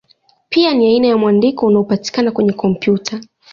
Pia ni aina ya mwandiko unaopatikana kwenye kompyuta.